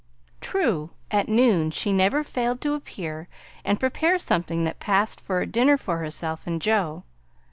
True, at noon she never failed to appear and prepare something that passed for a dinner for herself and Joe.